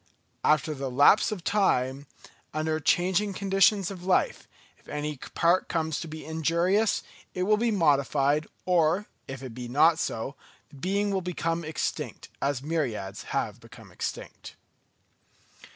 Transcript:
After the lapse of time, under changing conditions of life, if any part comes to be injurious, it will be modified; or if it be not so, the being will become extinct, as myriads have become extinct.